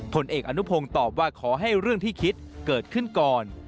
ผลเอกอนุพงศ์ตอบว่าขอให้เรื่องที่คิดเกิดขึ้นก่อน